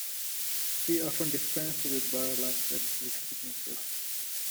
He often dispensed with bar lines and key signatures.